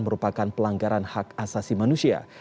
merupakan pelanggaran hak asasi manusia